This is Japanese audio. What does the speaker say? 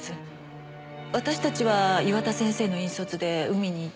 私たちは岩田先生の引率で海に行って。